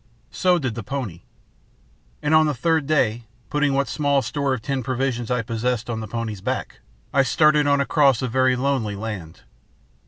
So did the pony. And on the third day, putting what small store of tinned provisions I possessed on the pony's back, I started on across a very lonely land.